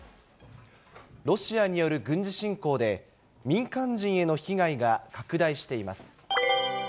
ロシアによる軍事侵攻で、民間人への被害が拡大しています。